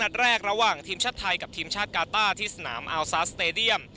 แรกระหว่างทีมชาติไทยกับทีมชาติกาต้าที่สนามอัลซาสเตดียม